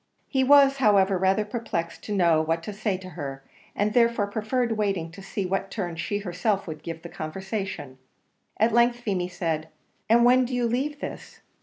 He was, however, rather perplexed to know what to say to her, and therefore preferred waiting to see what turn she herself would give to the conversation. At length Feemy said, "And when do you leave this?"